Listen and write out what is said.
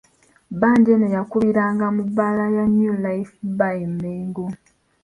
Bbandi eno yakubiranga mu bbaala ya New Life bar e Mmengo.